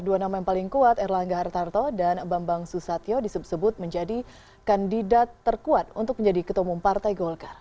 dua nama yang paling kuat erlangga hartarto dan bambang susatyo disebut sebut menjadi kandidat terkuat untuk menjadi ketua umum partai golkar